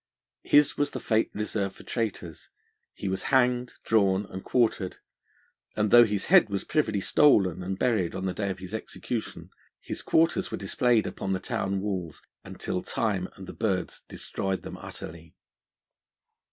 His was the fate reserved for traitors: he was hanged, drawn, and quartered, and though his head was privily stolen and buried on the day of execution, his quarters were displayed upon the town walls, until time and the birds destoyed them utterly.